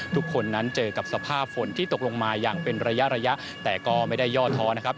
ทุกคนนั้นเจอกับสภาพฝนที่ตกลงมาอย่างเป็นระยะระยะแต่ก็ไม่ได้ย่อท้อนะครับ